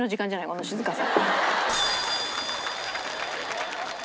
この静かさ。